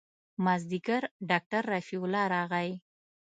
مازديګر ډاکتر رفيع الله راغى.